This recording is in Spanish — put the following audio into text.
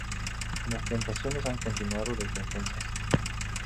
Las plantaciones han continuado desde entonces.